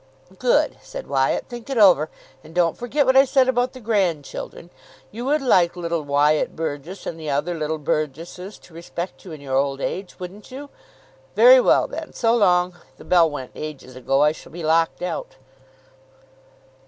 "Good," said Wyatt. "Think it over. And don't forget what I said about the grandchildren. You would like little Wyatt Burgess and the other little Burgesses to respect you in your old age, wouldn't you? Very well, then. So long. The bell went ages ago. I shall be locked out."